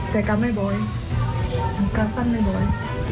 แต่กาวฟันไม่บ่อยมันกาวฟันไม่บ่อย